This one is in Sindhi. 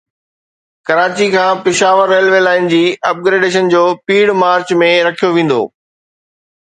ڪراچي کان پشاور ريلوي لائين جي اپ گريڊيشن جو پيڙهه مارچ ۾ رکيو ويندو